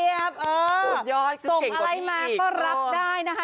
ส่วนยอดสุดเก่งกว่านี้อีกก็ส่งอะไรมาก็รับได้นะคะ